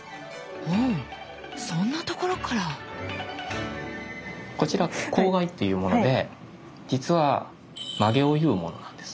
うんそんなところから⁉こちら笄っていうもので実は髷を結うものなんです。